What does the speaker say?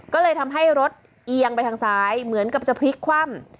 ก็เลยทำให้รถเอียงไปทางซ้ายเหมือนกับจะพลิกคว่ำ